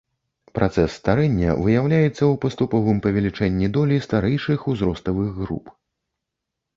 Працэс старэння выяўляецца ў паступовым павелічэнні долі старэйшых узроставых груп.